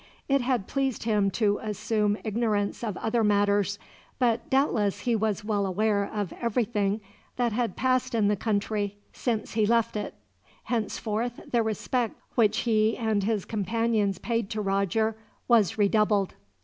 It had pleased him to assume ignorance of other matters, but doubtless he was well aware of everything that had passed in the country since he left it. Henceforth the respect which he and his companions paid to Roger was redoubled.